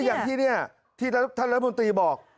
อย่างที่ท่านรัฐพิมพิบอก